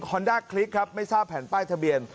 อนด้าคลิกครับไม่ทราบแผ่นป้ายทะเบียน